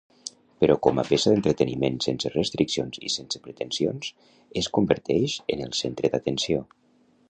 Però com a peça d'entreteniment sense restriccions i sense pretensions es converteix en el centre d'atenció.